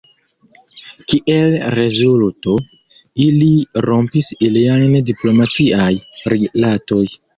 Kiel rezulto, ili rompis iliajn diplomatiaj rilatoj.